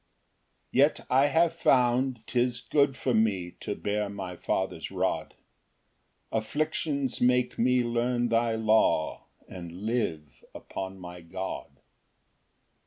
Ver. 71. 2 Yet I have found, 'tis good for me To bear my Father's rod; Afflictions make me learn thy law, And live upon my God.